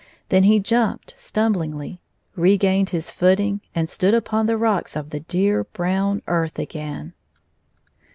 Then he jumped stumblingly, regained his footing, and stood upon the rocks of the dear brown earth again.